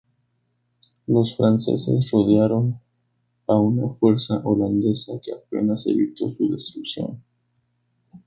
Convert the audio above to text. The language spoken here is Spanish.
Los franceses rodearon a una fuerza holandesa que apenas evitó su destrucción.